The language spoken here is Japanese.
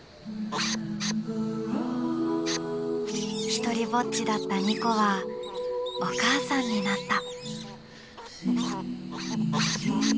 独りぼっちだったニコはお母さんになった。